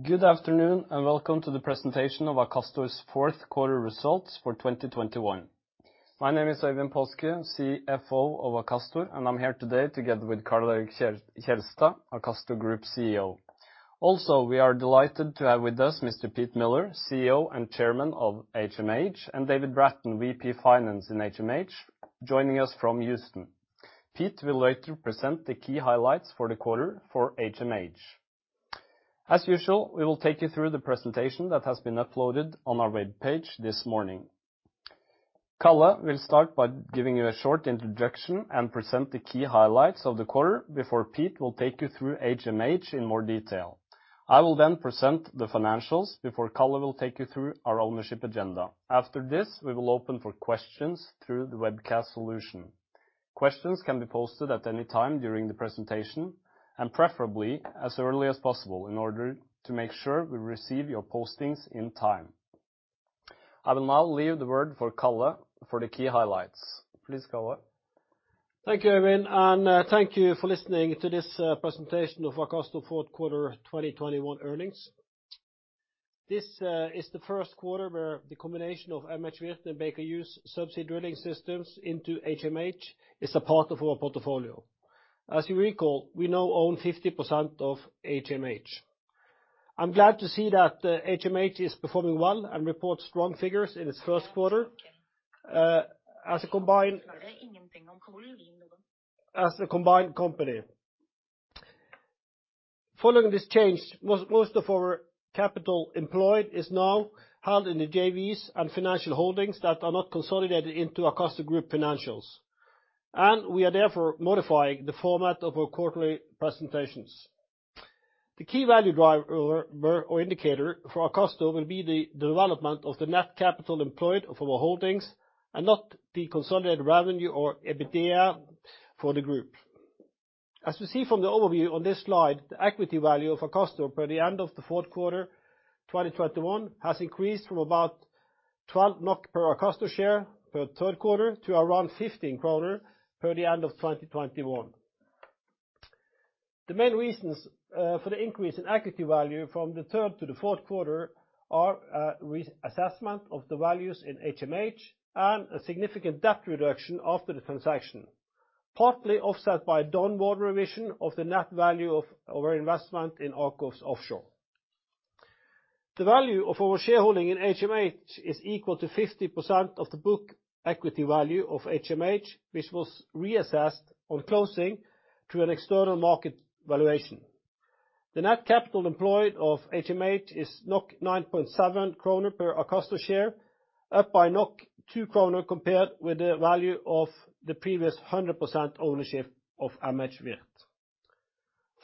Good afternoon, and welcome to the presentation of Akastor's fourth quarter results for 2021. My name is Øyvind Paaske, CFO of Akastor, and I'm here today together with Karl Erik, Akastor ASA CEO. We are delighted to have with us Mr. Pete Miller, CEO and Chairman of HMH, and David Bratton, VP Finance in HMH, joining us from Houston. Pete will later present the key highlights for the quarter for HMH. As usual, we will take you through the presentation that has been uploaded on our webpage this morning. Karl will start by giving you a short introduction and present the key highlights of the quarter before Pete will take you through HMH in more detail. I will then present the financials before Karl take you through our ownership agenda. After this, we will open for questions through the webcast solution. Questions can be posted at any time during the presentation, and preferably as early as possible in order to make sure we receive your postings in time. I will now leave the word for Karl Erik for the key highlights. Please, Karl Erik. Thank you, Øyvind, and thank you for listening to this presentation of Akastor fourth quarter 2021 earnings. This is the first quarter where the combination of MHWirth and Baker Hughes Subsea Drilling Systems into HMH is a part of our portfolio. As you recall, we now own 50% of HMH. I'm glad to see that HMH is performing well and reports strong figures in its first quarter as a combined company. Following this change, most of our capital employed is now held in the JVs and financial Holdings that are not consolidated into Akastor group financials, and we are therefore modifying the format of our quarterly presentations. The key value driver or indicator for Akastor will be the development of the net capital employed of our Holdings and not the consolidated revenue or EBITDA for the group. As you see from the overview on this slide, the equity value of Akastor at the end of the fourth quarter 2021 has increased from about 12 NOK per Akastor share at the end of the third quarter to around 15 kroner at the end of 2021. The main reasons for the increase in equity value from the third to the fourth quarter are reassessment of the values in HMH and a significant debt reduction after the transaction, partly offset by downward revision of the net value of our investment in AKOFS Offshore. The value of our shareholding in HMH is equal to 50% of the book equity value of HMH, which was reassessed on closing through an external market valuation. The net capital employed of HMH is 9.7 kroner per Akastor share, up by 2 kroner compared with the value of the previous 100% ownership of MHWirth.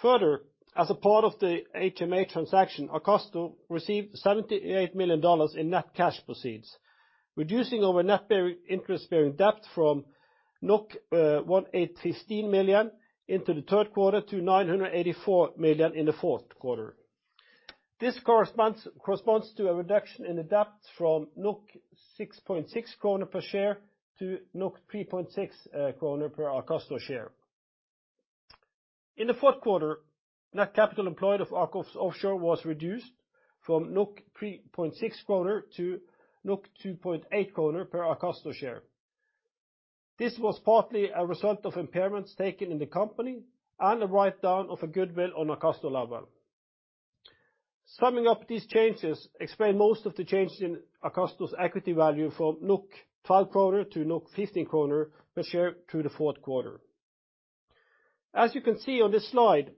Further, as a part of the HMH transaction, Akastor received $78 million in net cash proceeds, reducing our net interest-bearing debt from 1,815 million in the third quarter to 984 million in the fourth quarter. This corresponds to a reduction in the debt from 6.6 kroner per share to 3.6 kroner per Akastor share. In the fourth quarter, net capital employed of AKOFS Offshore was reduced from 3.6 kroner to 2.8 kroner per Akastor share. This was partly a result of impairments taken in the company and a write down of a goodwill on Akastor level. Summing up these changes explain most of the changes in Akastor's equity value from 12 to 15 per share through the fourth quarter. As you can see on this slide,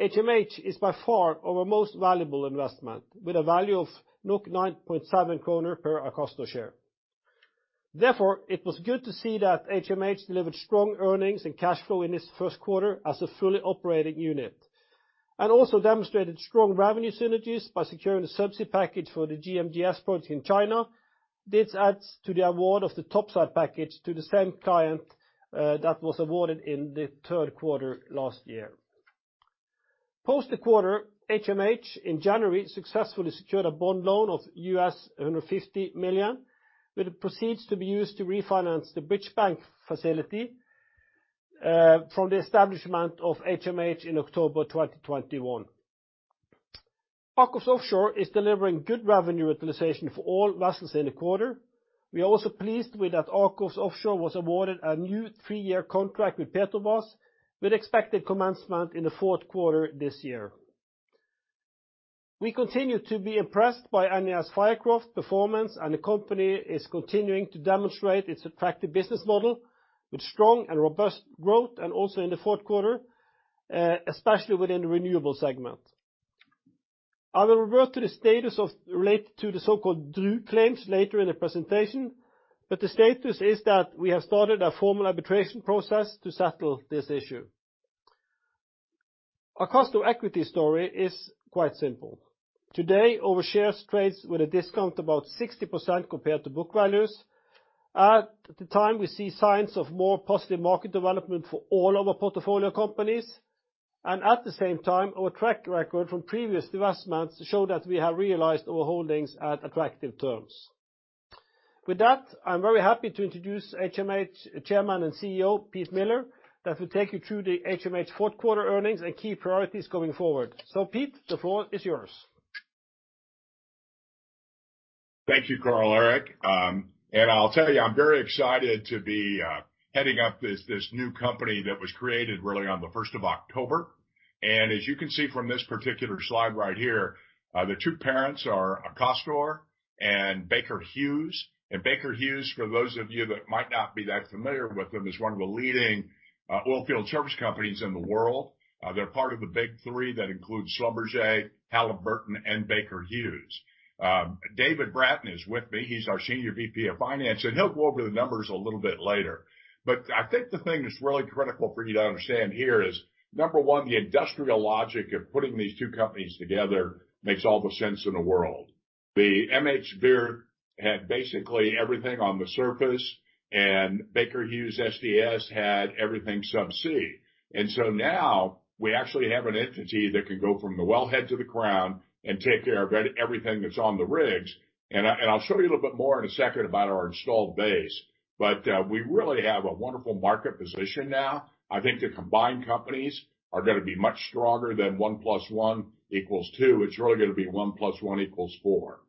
HMH is by far our most valuable investment, with a value of 9.7 kroner per Akastor share. Therefore, it was good to see that HMH delivered strong earnings and cash flow in its first quarter as a fully operating unit, and also demonstrated strong revenue synergies by securing the subsea package for the GMGS project in China. This adds to the award of the topside package to the same client, that was awarded in the third quarter last year. Post the quarter, HMH in January successfully secured a bond loan of $150 million, with the proceeds to be used to refinance the Bridge Bank facility from the establishment of HMH in October 2021. AKOFS Offshore is delivering good revenue utilization for all vessels in the quarter. We are also pleased with that AKOFS Offshore was awarded a new three-year contract with Petrobras, with expected commencement in the fourth quarter this year. We continue to be impressed by NES Fircroft performance and the company is continuing to demonstrate its attractive business model with strong and robust growth and also in the fourth quarter, especially within the renewable segment. I will revert to the status related to the so-called DRU claims later in the presentation, but the status is that we have started a formal arbitration process to settle this issue. Akastor equity story is quite simple. Today, our shares trades with a discount about 60% compared to book values. At the time, we see signs of more positive market development for all our portfolio companies. At the same time, our track record from previous divestments show that we have realized our Holdings at attractive terms. With that, I'm very happy to introduce HMH Chairman and CEO, Pete Miller, that will take you through the HMH fourth quarter earnings and key priorities going forward. Pete, the floor is yours. Thank you, Karl Erik. I'll tell you, I'm very excited to be heading up this new company that was created really on the first of October. As you can see from this particular slide right here, the two parents are Akastor and Baker Hughes. Baker Hughes, for those of you that might not be that familiar with them, is one of the leading oilfield service companies in the world. They're part of the big three that includes Schlumberger, Halliburton, and Baker Hughes. David Bratton is with me. He's our Senior VP of Finance, and he'll go over the numbers a little bit later. I think the thing that's really critical for you to understand here is, number one, the industrial logic of putting these two companies together makes all the sense in the world. The MHWirth had basically everything on the surface, and Baker Hughes SDS had everything subsea. Now we actually have an entity that can go from the wellhead to the crown and take care of everything that's on the rigs. I'll show you a little bit more in a second about our installed base. We really have a wonderful market position now. I think the combined companies are gonna be much stronger than one plus one equals two. It's really gonna be one plus one equals four.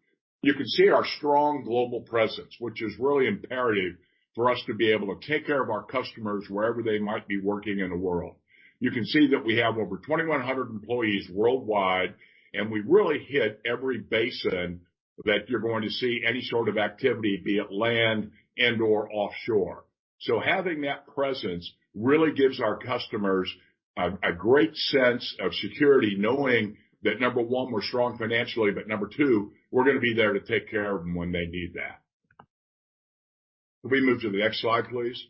You can see our strong global presence, which is really imperative for us to be able to take care of our customers wherever they might be working in the world. You can see that we have over 2,100 employees worldwide, and we really hit every basin that you're going to see any sort of activity, be it land and/or offshore. Having that presence really gives our customers a great sense of security knowing that, number one, we're strong financially, but number two, we're gonna be there to take care of them when they need that. Can we move to the next slide, please?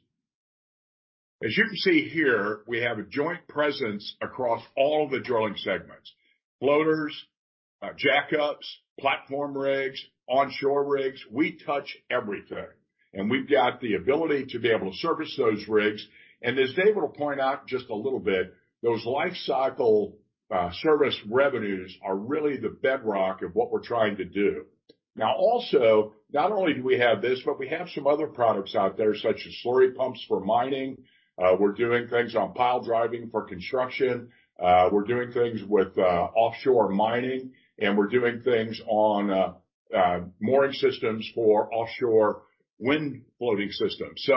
As you can see here, we have a joint presence across all the drilling segments. Floaters, jack-ups, platform rigs, onshore rigs. We touch everything. We've got the ability to be able to service those rigs. As David will point out just a little bit, those lifecycle service revenues are really the bedrock of what we're trying to do. Now, also, not only do we have this, but we have some other products out there, such as slurry pumps for mining. We're doing things on pile driving for construction. We're doing things with offshore mining, and we're doing things on mooring systems for offshore wind floating systems.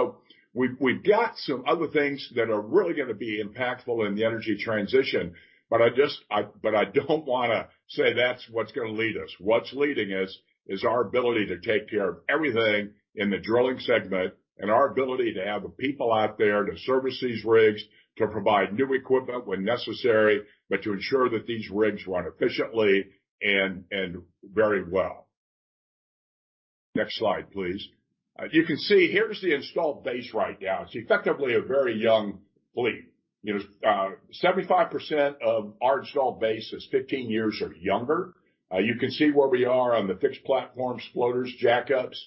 We've got some other things that are really gonna be impactful in the energy transition, but I don't wanna say that's what's gonna lead us. What's leading us is our ability to take care of everything in the drilling segment and our ability to have the people out there to service these rigs, to provide new equipment when necessary, but to ensure that these rigs run efficiently and very well. Next slide, please. As you can see, here's the installed base right now. It's effectively a very young fleet. You know, 75% of our installed base is 15 years or younger. You can see where we are on the fixed platforms, floaters, jack-ups.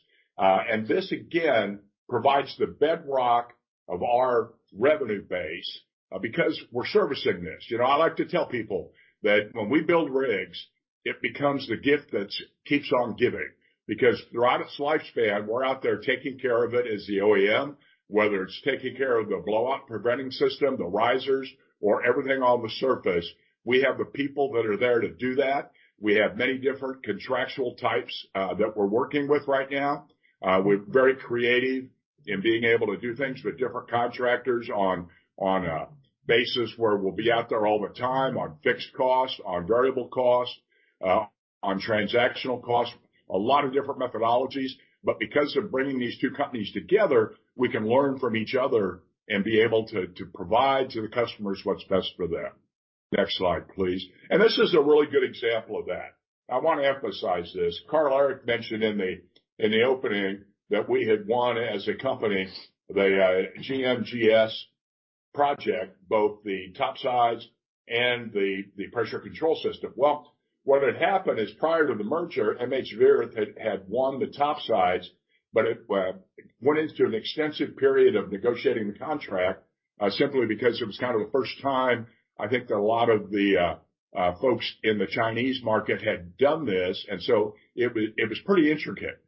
This again provides the bedrock of our revenue base, because we're servicing this. You know, I like to tell people that when we build rigs, it becomes the gift that keeps on giving. Because throughout its lifespan, we're out there taking care of it as the OEM, whether it's taking care of the Blowout Prevention system, the risers, or everything on the surface. We have the people that are there to do that. We have many different contractual types that we're working with right now. We're very creative in being able to do things with different contractors on a basis where we'll be out there all the time on fixed costs, on variable costs, on transactional costs, a lot of different methodologies. Because of bringing these two companies together, we can learn from each other and be able to provide to the customers what's best for them. Next slide, please. This is a really good example of that. I wanna emphasize this. Karl Erik mentioned in the opening that we had won as a company the GMGS project, both the topsides and the pressure control system. What had happened is prior to the merger, MHWirth had won the topsides, but it went into an extensive period of negotiating the contract, simply because it was kind of the first time, I think that a lot of the folks in the Chinese market had done this. It was pretty intricate.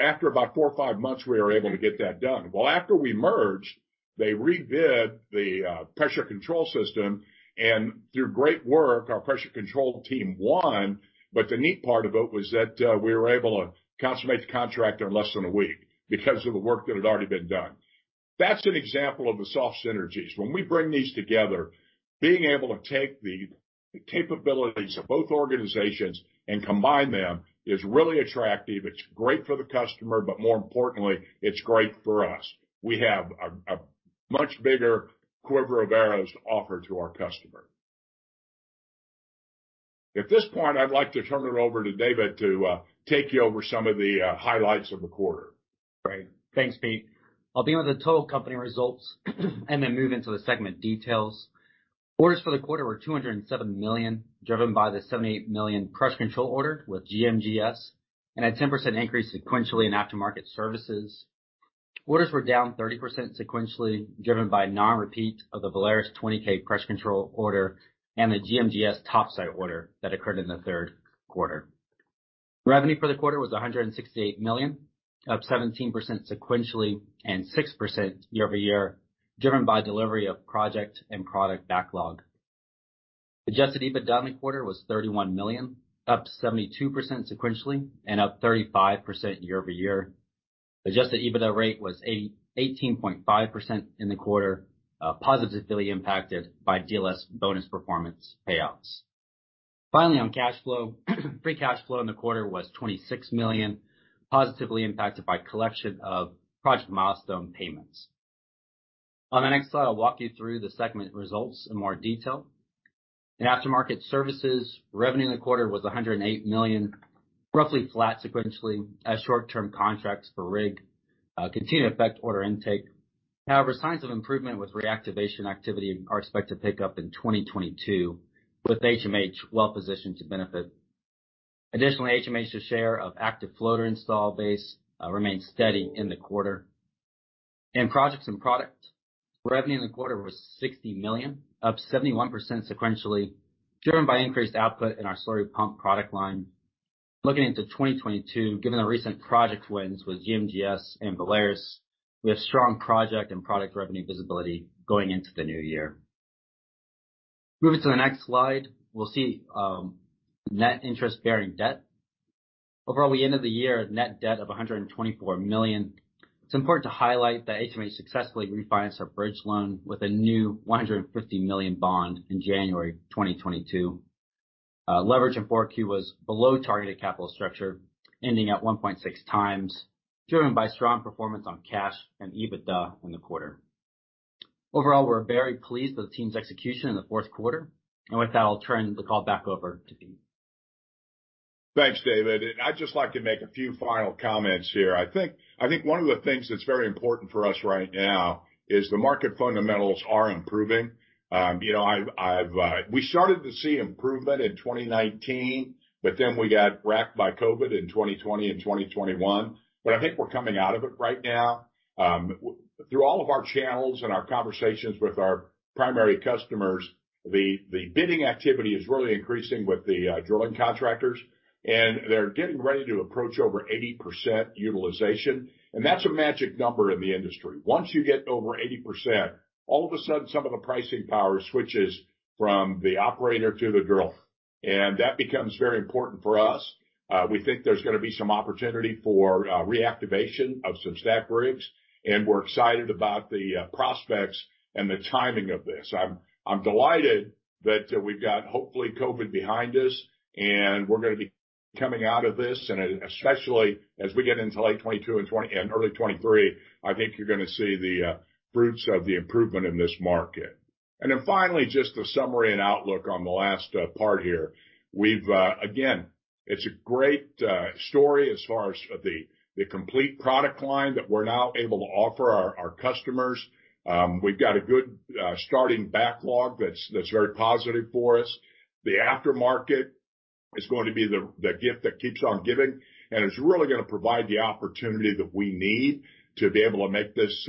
After about four or five months, we were able to get that done. After we merged, they rebid the pressure control system. Through great work, our pressure control team won. The neat part about it was that we were able to consummate the contract in less than a week because of the work that had already been done. That's an example of the soft synergies. When we bring these together, being able to take the capabilities of both organizations and combine them is really attractive. It's great for the customer, but more importantly, it's great for us. We have a much bigger quiver of arrows to offer to our customer. At this point, I'd like to turn it over to David to take you over some of the highlights of the quarter. Great. Thanks, Pete. I'll begin with the total company results and then move into the segment details. Orders for the quarter were 207 million, driven by the 78 million pressure control order with GMGS, and a 10% increase sequentially in aftermarket services. Orders were down 30% sequentially, driven by non-repeat of the Valaris 20K pressure control order and the GMGS topside order that occurred in the third quarter. Revenue for the quarter was 168 million, up 17% sequentially and 6% year-over-year, driven by delivery of project and product backlog. Adjusted EBITDA in the quarter was 31 million, up 72% sequentially and up 35% year-over-year. Adjusted EBITDA rate was 18.5% In the quarter, positively impacted by DLS bonus performance payouts. Finally, on cash flow, free cash flow in the quarter was 26 million, positively impacted by collection of project milestone payments. On the next slide, I'll walk you through the segment results in more detail. In aftermarket services, revenue in the quarter was 108 million, roughly flat sequentially as short-term contracts for rig continue to affect order intake. However, signs of improvement with reactivation activity are expected to pick up in 2022 with HMH well-positioned to benefit. Additionally, HMH's share of active floater install base remains steady in the quarter. In projects and product, revenue in the quarter was 60 million, up 71% sequentially, driven by increased output in our slurry pump product line. Looking into 2022, given the recent project wins with GMGS and Valaris, we have strong project and product revenue visibility going into the new year. Moving to the next slide, we'll see net interest-bearing debt. Overall, we ended the year with a net debt of 124 million. It's important to highlight that HMH successfully refinanced our bridge loan with a new $150 million bond in January 2022. Leverage in 4Q was below targeted capital structure, ending at 1.6x driven by strong performance on cash and EBITDA in the quarter. Overall, we're very pleased with the team's execution in the fourth quarter, and with that, I'll turn the call back over to Pete. Thanks, David. I'd just like to make a few final comments here. I think one of the things that's very important for us right now is the market fundamentals are improving. You know, we started to see improvement in 2019, but then we got racked by COVID in 2020 and 2021. I think we're coming out of it right now. Through all of our channels and our conversations with our primary customers, the bidding activity is really increasing with the drilling contractors, and they're getting ready to approach over 80% utilization, and that's a magic number in the industry. Once you get over 80%, all of a sudden, some of the pricing power switches from the operator to the driller, and that becomes very important for us. We think there's gonna be some opportunity for reactivation of some stacked rigs, and we're excited about the prospects and the timing of this. I'm delighted that we've got, hopefully, COVID behind us, and we're gonna be coming out of this. Especially as we get into late 2022 and early 2023, I think you're gonna see the fruits of the improvement in this market. Then finally, just a summary and outlook on the last part here. We've again, it's a great story as far as the complete product line that we're now able to offer our customers. We've got a good starting backlog that's very positive for us. The aftermarket is going to be the gift that keeps on giving, and it's really gonna provide the opportunity that we need to be able to make this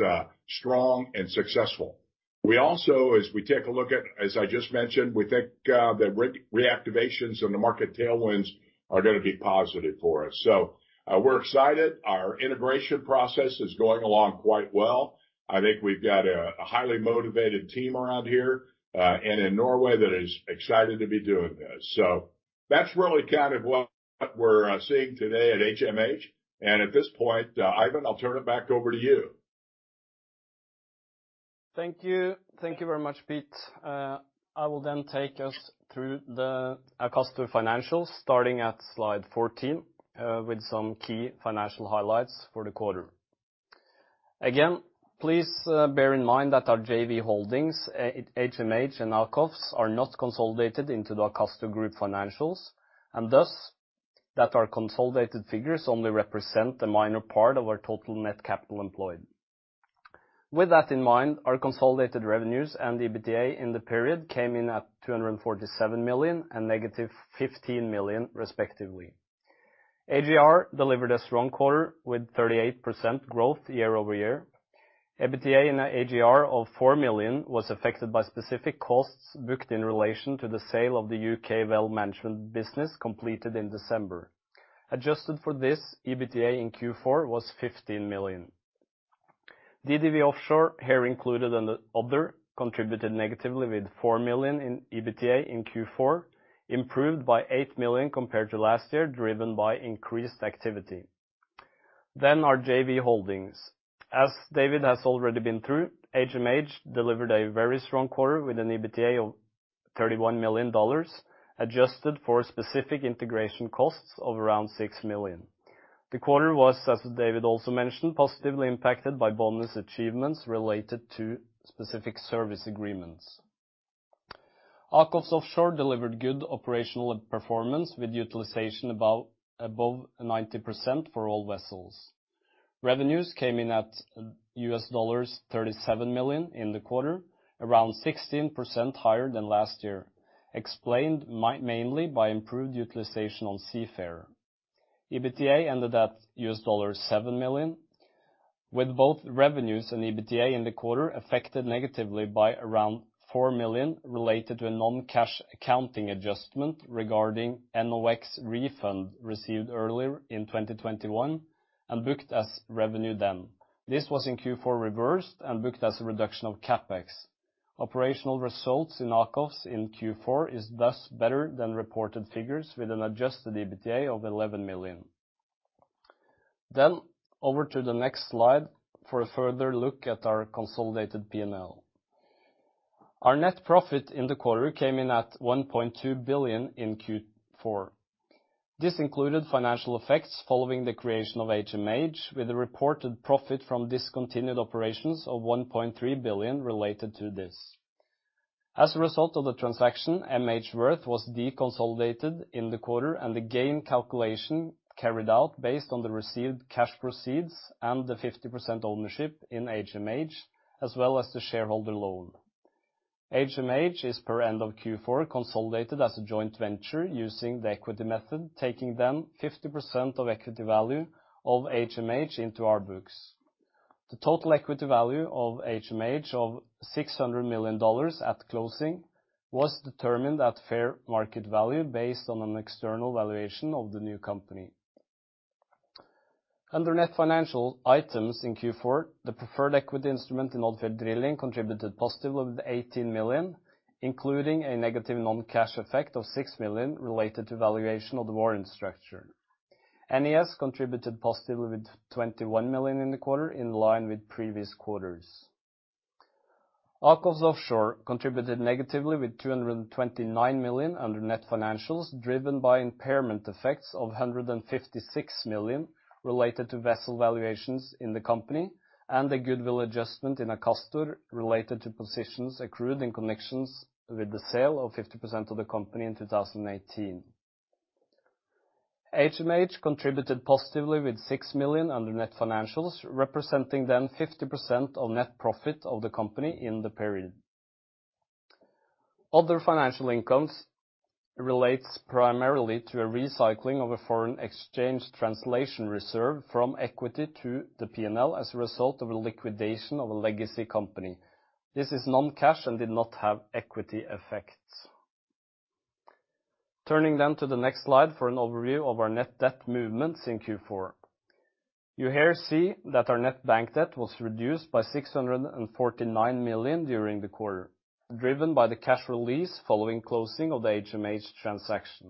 strong and successful. We also, as we take a look at, as I just mentioned, we think that reactivations and the market tailwinds are gonna be positive for us. We're excited. Our integration process is going along quite well. I think we've got a highly motivated team around here and in Norway that is excited to be doing this. That's really kind of what we're seeing today at HMH. At this point, Øyvind, I'll turn it back over to you. Thank you. Thank you very much, Pete. I will then take us through the Akastor financials starting at slide 14, with some key financial highlights for the quarter. Again, please, bear in mind that our JV Holdings, HMH and AKOFS, are not consolidated into the Akastor Group financials, and thus, that our consolidated figures only represent a minor part of our total net capital employed. With that in mind, our consolidated revenues and the EBITDA in the period came in at 247 million and -15 million, respectively. AGR delivered a strong quarter with 38% growth year-over-year. EBITDA in AGR of 4 million was affected by specific costs booked in relation to the sale of the U.K. Well Management business completed in December. Adjusted for this, EBITDA in Q4 was 15 million. DDW Offshore, here included in the other, contributed negatively with 4 million in EBITDA in Q4, improved by 8 million compared to last year, driven by increased activity. Our JV Holdings. As David has already been through, HMH delivered a very strong quarter with an EBITDA of $31 million, adjusted for specific integration costs of around $6 million. The quarter was, as David also mentioned, positively impacted by bonus achievements related to specific service agreements. AKOFS Offshore delivered good operational performance with utilization above 90% for all vessels. Revenues came in at $37 million in the quarter, around 16% higher than last year. Explained mainly by improved utilization on Seafarer. EBITDA ended at $7 million, with both revenues and EBITDA in the quarter affected negatively by around 4 million related to a non-cash accounting adjustment regarding NOX refund received earlier in 2021 and booked as revenue then. This was in Q4 reversed and booked as a reduction of CapEx. Operational results in AKOFS Offshore in Q4 is thus better than reported figures with an adjusted EBITDA of 11 million. Over to the next slide for a further look at our consolidated P&L. Our net profit in the quarter came in at 1.2 billion in Q4. This included financial effects following the creation of HMH, with a reported profit from discontinued operations of 1.3 billion related to this. As a result of the transaction, MHWirth was de-consolidated in the quarter and the gain calculation carried out based on the received cash proceeds and the 50% ownership in HMH, as well as the shareholder loan. HMH is per end of Q4 consolidated as a joint venture using the equity method, taking then 50% of equity value of HMH into our books. The total equity value of HMH of $600 million at closing was determined at fair market value based on an external valuation of the new company. Under net financial items in Q4, the preferred equity instrument in North Sea Drilling contributed positive of 18 million, including a negative non-cash effect of 6 million related to valuation of the warrant structure. NES contributed positively with 21 million in the quarter in line with previous quarters. AKOFS Offshore contributed negatively with 229 million under net financials driven by impairment effects of 156 million related to vessel valuations in the company and the goodwill adjustment in Akastor related to positions accrued in connections with the sale of 50% of the company in 2019. HMH contributed positively with 6 million under net financials, representing then 50% of net profit of the company in the period. Other financial incomes relates primarily to a recycling of a foreign exchange translation reserve from equity to the P&L as a result of a liquidation of a legacy company. This is non-cash and did not have equity effects. Turning to the next slide for an overview of our net debt movements in Q4. You'll see that our net bank debt was reduced by 649 million during the quarter, driven by the cash release following closing of the HMH transaction.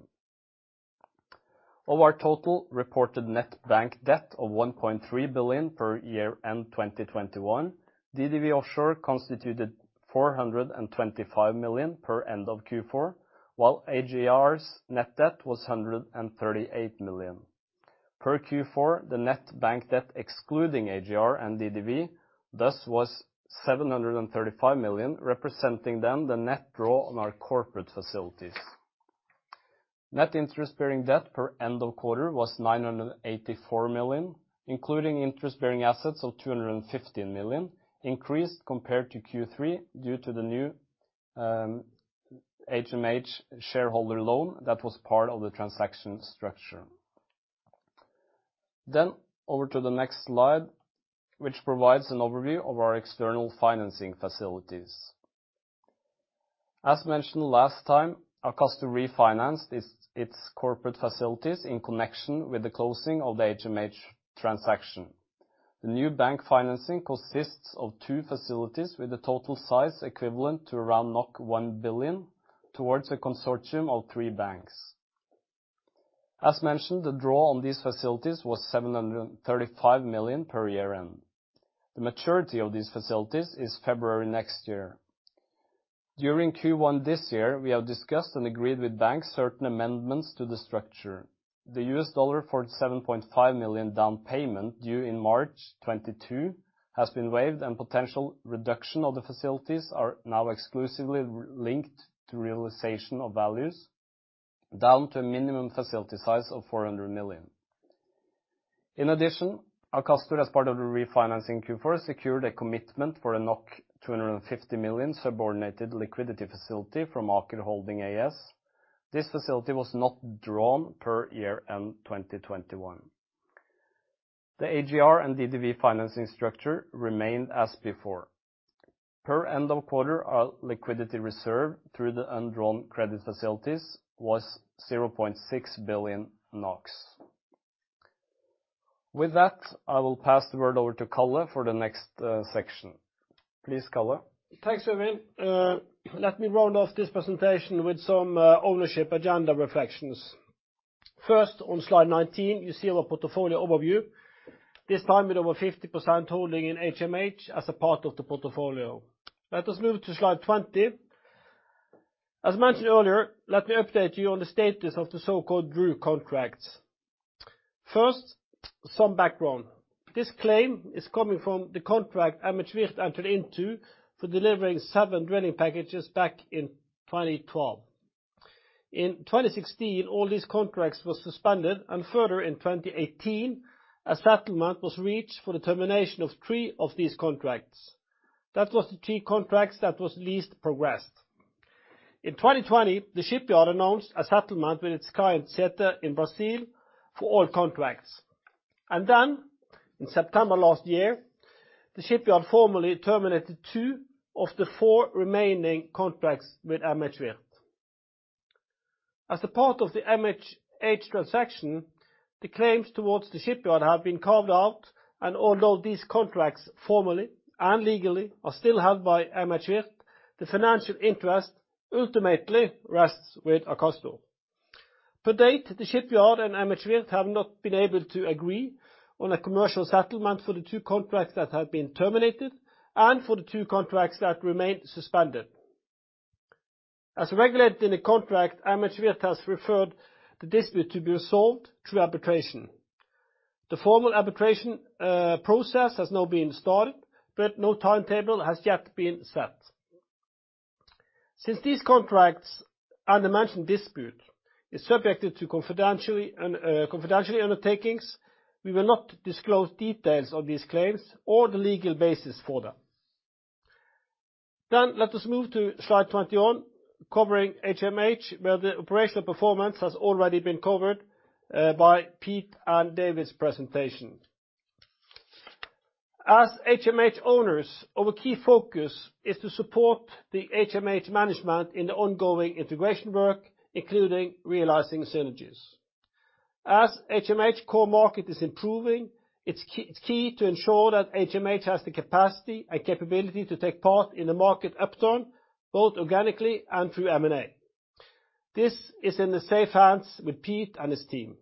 Of our total reported net bank debt of 1.3 billion per year-end 2021, DDW Offshore constituted 425 million per end of Q4, while AGR's net debt was 138 million. Per Q4, the net bank debt excluding AGR and DDW Offshore thus was 735 million, representing then the net draw on our corporate facilities. Net interest bearing debt per end of quarter was 984 million, including interest bearing assets of 215 million increased compared to Q3 due to the new HMH shareholder loan that was part of the transaction structure. Over to the next slide, which provides an overview of our external financing facilities. As mentioned last time, Akastor refinanced its corporate facilities in connection with the closing of the HMH transaction. The new bank financing consists of two facilities with a total size equivalent to around 1 billion from a consortium of three banks. As mentioned, the draw on these facilities was 735 million at year-end. The maturity of these facilities is February next year. During Q1 this year, we have discussed and agreed with banks certain amendments to the structure. The $7.5 million down payment due in March 2022 has been waived and potential reduction of the facilities are now exclusively linked to realization of values down to a minimum facility size of 400 million. In addition, Akastor as part of the refinancing in Q4 secured a commitment for a 250 million subordinated liquidity facility from Aker Holding AS. This facility was not drawn per year-end 2021. The AGR and DDW financing structure remained as before. Per end of quarter, our liquidity reserve through the undrawn credit facilities was NOK 0.6 billion. With that, I will pass the word over to Karl Erik for the next section. Please, Karl Erik. Thanks, Øyvind. Let me round off this presentation with some ownership agenda reflections. First, on slide 19, you see our portfolio overview, this time with over 50% holding in HMH as a part of the portfolio. Let us move to slide 20. As mentioned earlier, let me update you on the status of the so-called DRU contracts. First, some background. This claim is coming from the contract MHWirth entered into for delivering seven drilling packages back in 2012. In 2016, all these contracts was suspended, and further in 2018, a settlement was reached for the termination of three of these contracts. That was the three contracts that was least progressed. In 2020, the shipyard announced a settlement with its client, Sete, in Brazil for all contracts. In September last year, the shipyard formally terminated two of the four remaining contracts with MHWirth. As a part of the HMH transaction, the claims towards the shipyard have been carved out, and although these contracts formally and legally are still held by MHWirth, the financial interest ultimately rests with Akastor. To date, the shipyard and MHWirth have not been able to agree on a commercial settlement for the two contracts that have been terminated and for the two contracts that remained suspended. As regulated in the contract, MHWirth has referred the dispute to be resolved through arbitration. The formal arbitration process has now been started, but no timetable has yet been set. Since these contracts and the mentioned dispute is subjected to confidentiality undertakings, we will not disclose details of these claims or the legal basis for them. Let us move to slide 21, covering HMH, where the operational performance has already been covered by Pete and David's presentation. As HMH owners, our key focus is to support the HMH Management in the ongoing integration work, including realizing synergies. As HMH's core market is improving, it's key to ensure that HMH has the capacity and capability to take part in the market upturn, both organically and through M&A. This is in the safe hands with Pete and his team.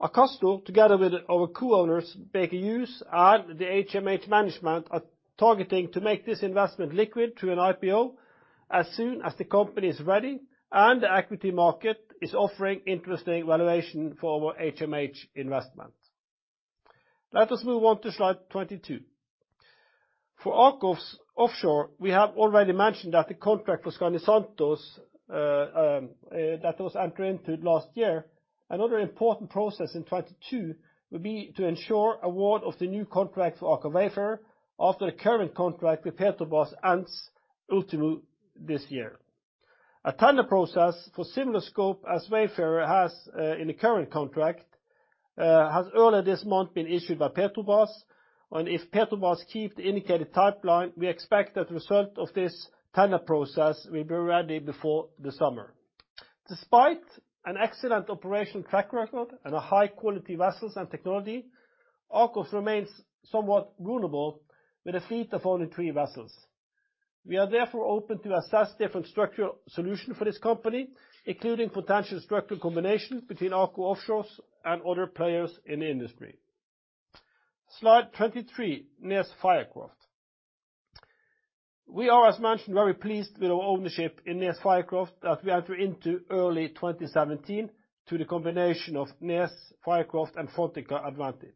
Akastor, together with our co-owners, Baker Hughes, and the HMH Management, are targeting to make this investment liquid through an IPO as soon as the company is ready and the equity market is offering interesting valuation for our HMH investment. Let us move on to slide 22. For AKOFS Offshore, we have already mentioned that the contract for Skandi Santos that was entered into last year. Another important process in 2022 will be to ensure award of the new contract for Aker Wayfarer after the current contract with Petrobras ends ultimately this year. A tender process for similar scope as Wayfarer has in the current contract has earlier this month been issued by Petrobras, and if Petrobras keep the indicated timeline, we expect that the result of this tender process will be ready before the summer. Despite an excellent operational track record and a high-quality vessels and technology, AKOFS Offshore remains somewhat vulnerable with a fleet of only three vessels. We are therefore open to assess different structural solution for this company, including potential structural combination between AKOFS Offshore and other players in the industry. Slide 23, NES Fircroft. We are, as mentioned, very pleased with our ownership in NES Fircroft that we entered into early 2017 through the combination of NES Fircroft and Frontica Advantage.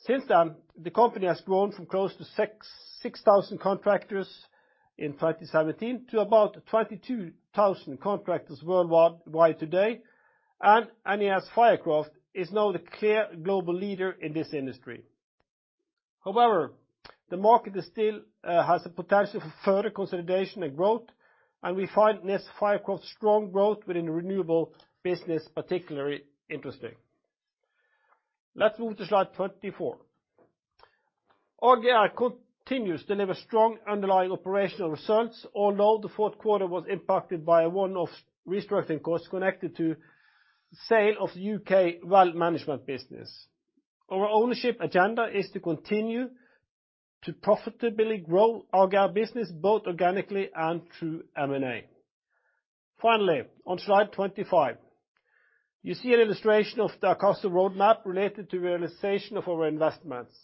Since then, the company has grown from close to 6,000 contractors in 2017 to about 22,000 contractors worldwide today. NES Fircroft is now the clear global leader in this industry. However, the market is still has the potential for further consolidation and growth, and we find NES Fircroft's strong growth within the renewable business particularly interesting. Let's move to slide 24. AGR continues to deliver strong underlying operational results, although the fourth quarter was impacted by a one-off restructuring cost connected to sale of U.K. Well Management business. Our ownership agenda is to continue to profitably grow AGR business both organically and through M&A. Finally, on slide 25, you see an illustration of the Akastor roadmap related to realization of our investments.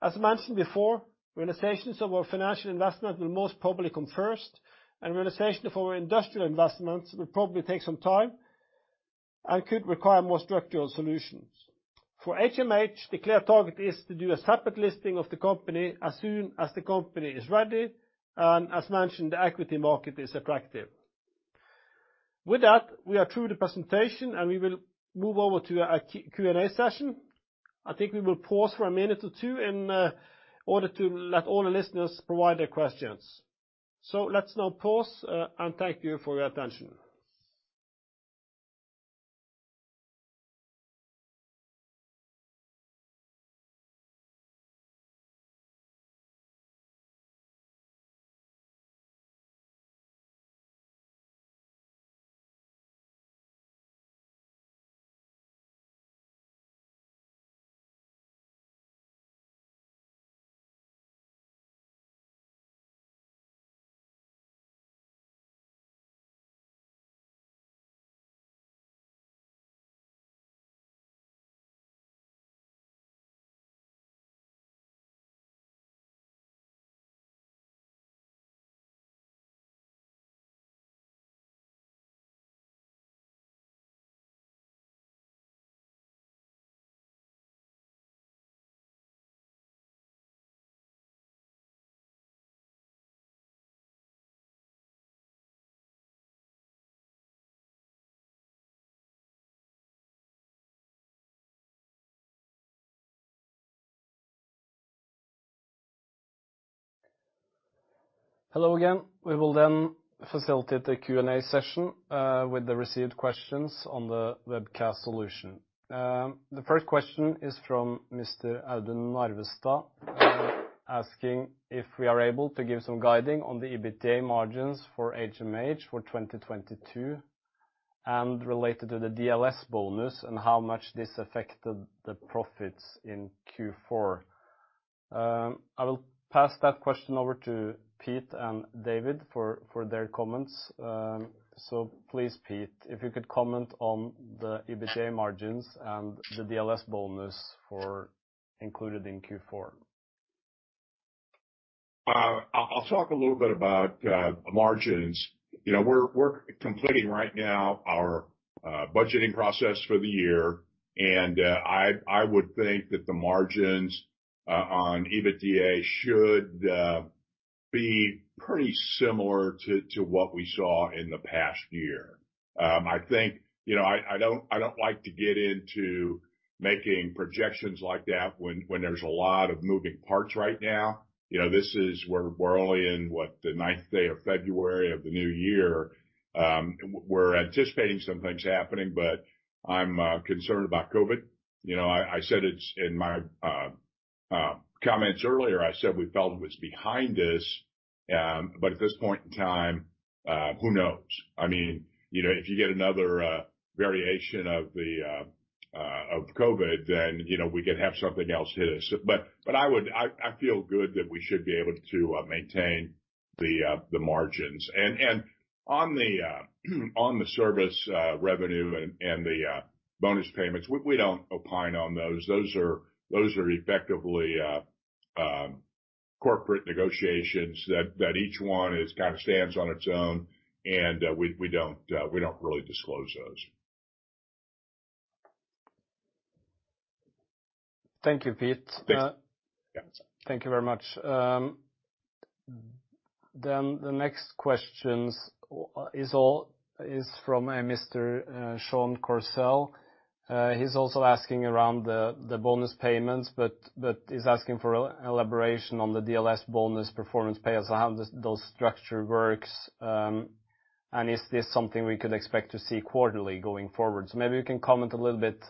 As mentioned before, realizations of our financial investment will most probably come first, and realization of our industrial investments will probably take some time and could require more structural solutions. For HMH, the clear target is to do a separate listing of the company as soon as the company is ready and, as mentioned, the equity market is attractive. With that, we are through the presentation, and we will move over to a Q&A session. I think we will pause for a minute or two in order to let all the listeners provide their questions. Let's now pause, and thank you for your attention. Hello again. We will then facilitate the Q&A session with the received questions on the webcast solution. The first question is from Mr. Alan Narvestad asking if we are able to give some guidance on the EBITDA margins for HMH for 2022, and related to the DLS bonus and how much this affected the profits in Q4. I will pass that question over to Pete and David for their comments. Please, Pete, if you could comment on the EBITDA margins and the DLS bonus included in Q4. I'll talk a little bit about margins. You know, we're completing right now our budgeting process for the year, and I would think that the margins on EBITDA should be pretty similar to what we saw in the past year. I think, you know, I don't like to get into making projections like that when there's a lot of moving parts right now. You know, we're only in the ninth day of February of the new year. We're anticipating some things happening, but I'm concerned about COVID. You know, I said it in my comments earlier. I said we felt it was behind us, but at this point in time, who knows? I mean, you know, if you get another variation of COVID, then, you know, we could have something else hit us. I feel good that we should be able to maintain the margins. On the service revenue and the bonus payments, we don't opine on those. Those are effectively corporate negotiations that each one kind of stands on its own, and we don't really disclose those. Thank you, Pete. Thanks. Thank you very much. Then the next questions is from a Mr. Sean Corsell. He's also asking around the bonus payments but is asking for elaboration on the DLS bonus performance pay as to how those structure works, and is this something we could expect to see quarterly going forward. Maybe you can comment a little bit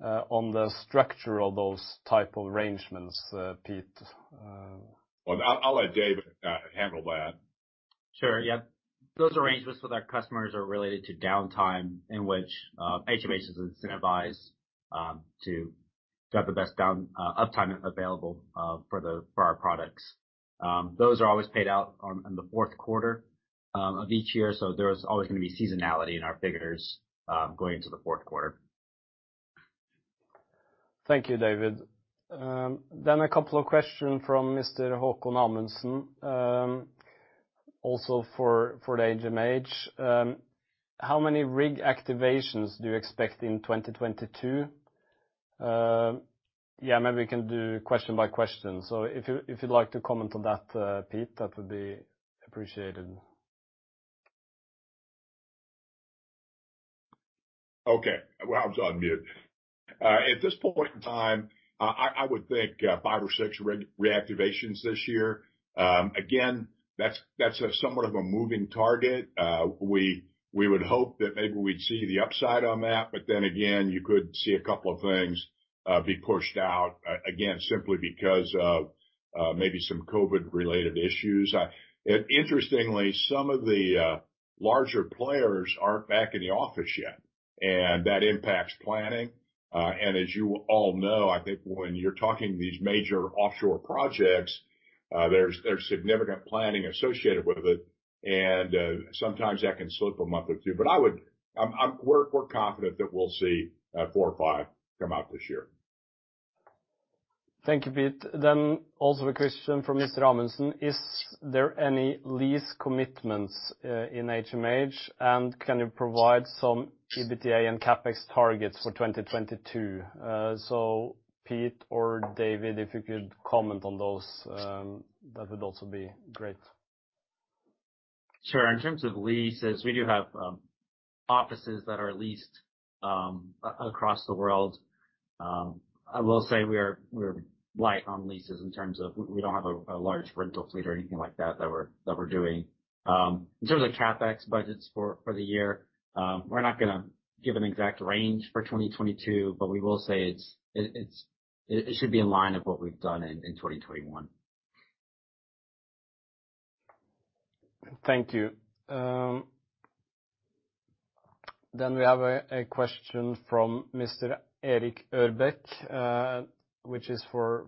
on the structure of those type of arrangements, Pete. Well, I'll let David handle that. Sure, yeah. Those arrangements with our customers are related to downtime in which HMH is incentivized to get the best uptime available for our products. Those are always paid out in the fourth quarter of each year, so there's always gonna be seasonality in our figures going into the fourth quarter. Thank you, David. A couple of questions from Mr. Håkon Amundsen, also for the HMH. How many rig activations do you expect in 2022? Yeah, maybe we can do question by question. If you, if you'd like to comment on that, Pete, that would be appreciated. Okay. Well, I was on mute. At this point in time, I would think five or six rig reactivations this year. Again, that's somewhat of a moving target. We would hope that maybe we'd see the upside on that, but then again, you could see a couple of things be pushed out again simply because of maybe some COVID-related issues. Interestingly, some of the larger players aren't back in the office yet, and that impacts planning. As you all know, I think when you're talking these major offshore projects, there's significant planning associated with it and sometimes that can slip a month or two. We're confident that we'll see four or five come out this year. Thank you, Pete. Also a question from Mr. Amundsen. Is there any lease commitments in HMH, and can you provide some EBITDA and CapEx targets for 2022? Pete or David, if you could comment on those, that would also be great. Sure. In terms of leases, we do have offices that are leased across the world. I will say we are light on leases in terms of we don't have a large rental fleet or anything like that that we're doing. In terms of CapEx budgets for the year, we're not gonna give an exact range for 2022, but we will say it should be in line with what we've done in 2021. Thank you. Then we have a question from Mr. Erik Ørbekk, which is for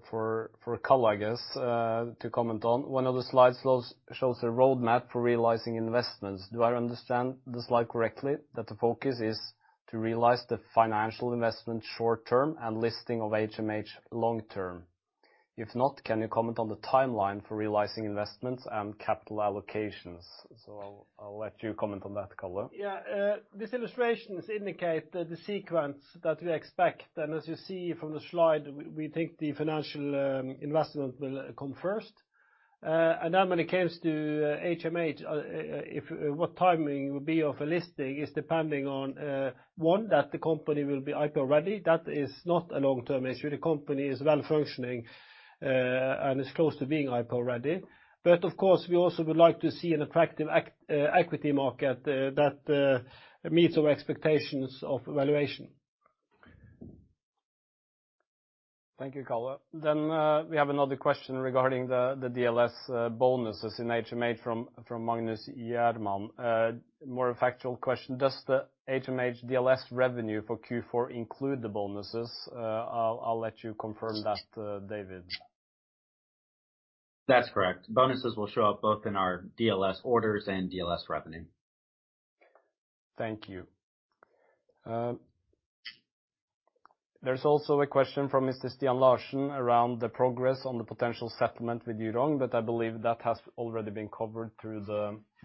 Karl Erik, I guess, to comment on. One of the slides shows a roadmap for realizing investments. Do I understand the slide correctly, that the focus is to realize the financial investment short-term and listing of HMH long-term? If not, can you comment on the timeline for realizing investments and capital allocations? I'll let you comment on that, Karl Erik. Yeah. These illustrations indicate the sequence that we expect. As you see from the slide, we think the financial investment will come first. Then when it comes to HMH, the timing of a listing depends on one, that the company will be IPO-ready. That is not a long-term issue. The company is well-functioning and is close to being IPO-ready. Of course, we also would like to see an attractive equity market that meets our expectations of valuation. Thank you, Karl Erik. We have another question regarding the DLS bonuses in HMH from Magnus Jerman. More a factual question. Does the HMH DLS revenue for Q4 include the bonuses? I'll let you confirm that, David. That's correct. Bonuses will show up both in our DLS orders and DLS revenue. Thank you. There's also a question from Mr. Stian Larsen around the progress on the potential settlement with Jurong, but I believe that has already been covered through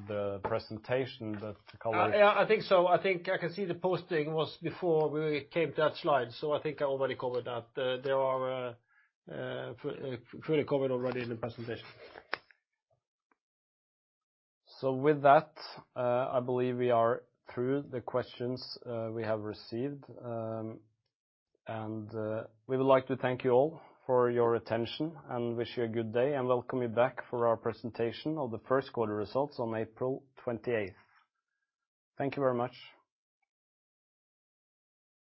the presentation that Karl. Yeah, I think so. I think I can see the posting was before we came to that slide, so I think I already covered that. They are fully covered already in the presentation. With that, I believe we are through the questions we have received. We would like to thank you all for your attention and wish you a good day and welcome you back for our presentation of the first quarter results on April 28th. Thank you very much.